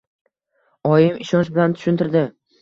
Oyim ishonch bilan tushuntirdi.